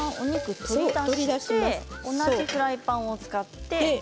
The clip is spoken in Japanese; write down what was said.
同じフライパンを使って。